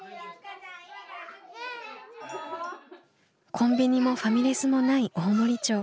コンビニもファミレスもない大森町。